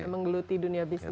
menggeluti dunia bisnis